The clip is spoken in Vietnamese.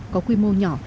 có quy mô nhỏ